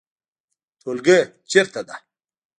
ټولګی چیرته ده؟